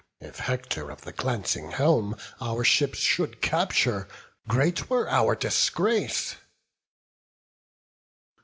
if Hector of the glancing helm Our ships should capture, great were our disgrace."